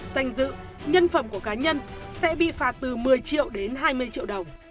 danh dự nhân phẩm của cá nhân sẽ bị phạt từ một mươi triệu đến hai mươi triệu đồng